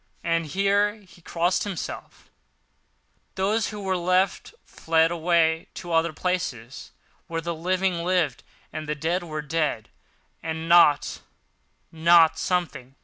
—and here he crossed himself) those who were left fled away to other places, where the living lived, and the dead were dead and not—not something.